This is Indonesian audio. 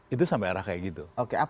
itu sampai arah kayak gitu